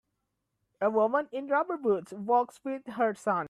A woman in rubber boots walks with her son.